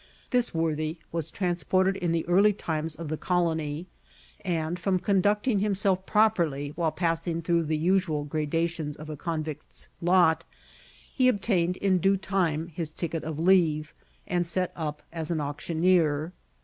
This worthy was transported in the early times of the colony, and, from conducting himself properly while passing through the usual gradations of a convict's lot, he obtained in due time his ticket of leave, and set up as an auctioneer.